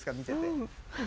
見てて。